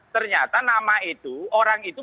ternyata nama itu orang itu